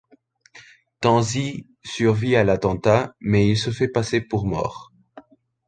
Tanzi survit à l’attentat mais il se fait passer pour mort.